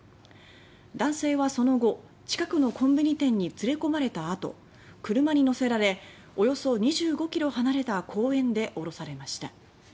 男性はその後近くのコンビニ店に連れ込まれた後、車に乗せられおよそ２５ｋｍ離れた公園で降ろされました。